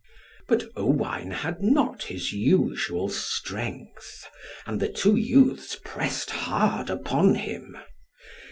But Owain had not his usual strength, and the two youths pressed hard upon him.